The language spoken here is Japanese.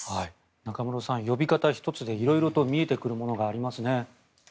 中室さん、呼び方１つで色々と見えてくるものがありますね。